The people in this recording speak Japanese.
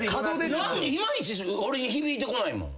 いまいち俺に響いてこないもん。